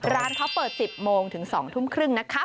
ร้านเขาเปิด๑๐โมงถึง๒ทุ่มครึ่งนะคะ